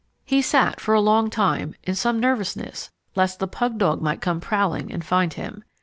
He sat for a long time, in some nervousness lest the pug dog might come prowling and find him.